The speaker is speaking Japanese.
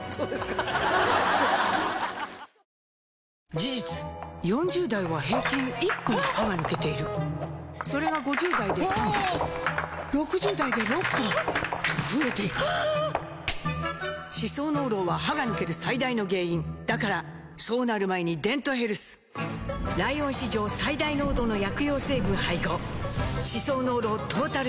事実４０代は平均１本歯が抜けているそれが５０代で３本６０代で６本と増えていく歯槽膿漏は歯が抜ける最大の原因だからそうなる前に「デントヘルス」ライオン史上最大濃度の薬用成分配合歯槽膿漏トータルケア！